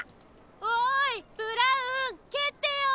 おいブラウンけってよ！